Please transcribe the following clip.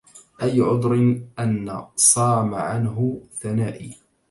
أي عذر أن صام عنه ثنائي